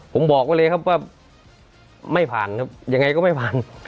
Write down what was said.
ผมบอกไว้เลยครับว่าไม่ผ่านครับยังไงก็ไม่ผ่าน